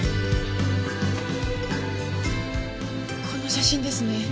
この写真ですね。